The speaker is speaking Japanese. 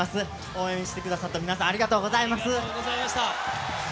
応援してくださった皆さん、ありがとうございました。